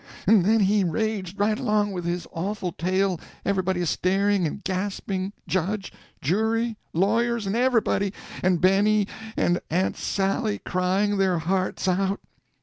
And then he raged right along with his awful tale, everybody a staring and gasping, judge, jury, lawyers, and everybody, and Benny and Aunt Sally crying their hearts out.